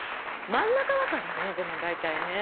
真ん中だからねだいたいね。